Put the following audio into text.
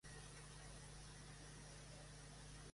Le sucedió su hijastro, Sigfrido de Ballenstedt.